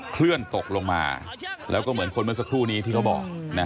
เคลื่อนตกลงมาแล้วก็เหมือนคนเมื่อสักครู่นี้ที่เขาบอก